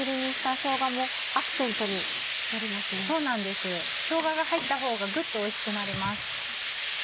しょうがが入ったほうがグッとおいしくなります。